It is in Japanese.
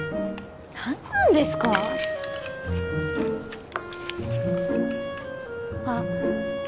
何なんですかあ